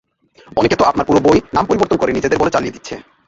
অনেকেতো আপনার পুরো বই, নাম পরিবর্তন করে নিজেদের বলে চালিয়ে দিচ্ছে।